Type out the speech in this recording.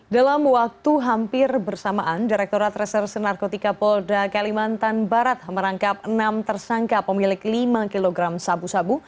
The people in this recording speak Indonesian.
dalam waktu hampir bersamaan direkturat reserse narkotika polda kalimantan barat merangkap enam tersangka pemilik lima kg sabu sabu